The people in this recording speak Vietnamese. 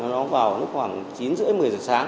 nó vào khoảng chín h ba mươi một mươi h sáng